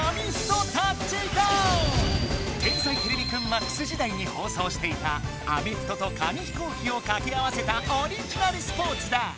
「天才てれびくんＭＡＸ」時だいに放送していたアメフトと紙飛行機をかけ合わせたオリジナルスポーツだ！